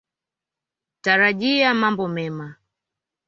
Tarajia mambo mema.